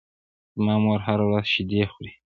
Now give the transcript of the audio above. زما مور هره ورځ شیدې خوري.